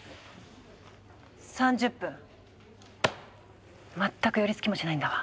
３０分全く寄りつきもしないんだわ。